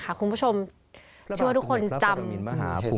ช่วยว่าทุกคนจำวินาทีใช่ไหม